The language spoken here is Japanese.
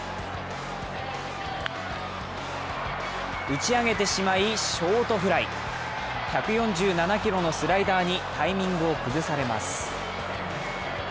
打ち上げてしまい、ショートフライ１４７キロのスライダーにタイミングを崩されます。